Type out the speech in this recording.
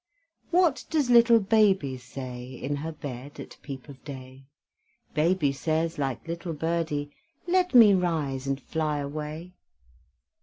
What does little baby say, In her bed at peep of day? Baby says, like little birdie, "Let me rise and fly away."